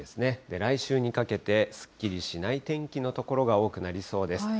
来週にかけて、すっきりしない天気の所が多くなりそうです。